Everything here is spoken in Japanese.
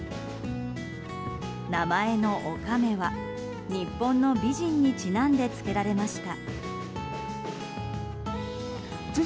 名前のオカメは、日本の美人にちなんでつけられました。